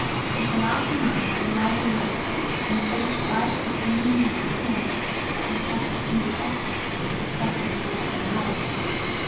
If a laughing eye with a lively light, and a face bright with beaming and healthy energy, could attest that he was better, better he certainly was.